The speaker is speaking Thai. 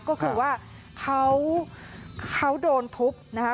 ก็คือว่าเขาโดนทุบนะคะ